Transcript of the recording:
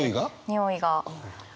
においが。